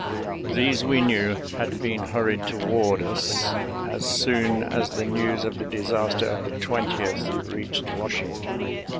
These we knew had been hurried toward us as soon as the news of the disaster of the 20th reached Washington.